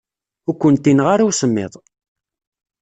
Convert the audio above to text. Ur kent-ineɣɣ ara usemmiḍ.